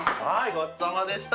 ごちそうさまでした。